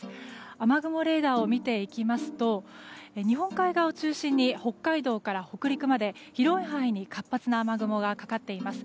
雨雲レーダーを見ていきますと日本海側を中心に北海道から北陸まで広い範囲に活発な雨雲がかかっています。